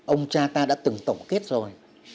ông cha ta đã từng tổng kết rồi